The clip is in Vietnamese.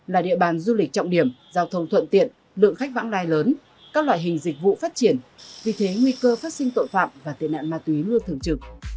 là địa bàn du lịch trọng điểm giao thông thuận tiện lượng khách vãng đai lớn các loại hình dịch vụ phát triển vì thế nguy cơ phát sinh tội phạm và tệ nạn ma túy luôn thường trực